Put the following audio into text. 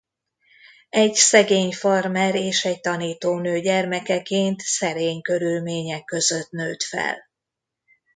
Egy szegény farmer és egy tanítónő gyermekeként szerény körülmények között nőtt fel.